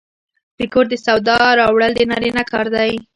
د کور د سودا راوړل د نارینه کار دی.